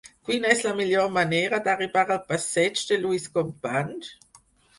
Quina és la millor manera d'arribar al passeig de Lluís Companys?